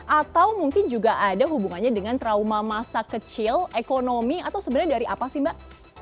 atau mungkin juga ada hubungannya dengan trauma masa kecil ekonomi atau sebenarnya dari apa sih mbak